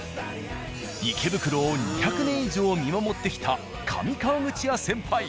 池袋を２００年以上見守ってきた「上川口屋」先輩